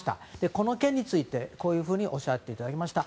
この件についてこういうふうにおっしゃっていました。